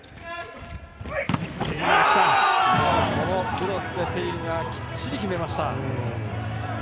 クロスでペリンがきっちり決めました。